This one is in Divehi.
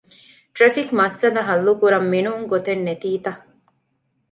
ޓްރެފިކް މައްސަލަ ހައްލުކުރަން މިނޫން ގޮތެއް ނެތީތަ؟